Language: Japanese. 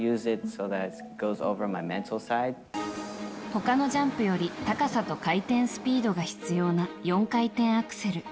他のジャンプより高さと回転スピードが必要な４回転アクセル。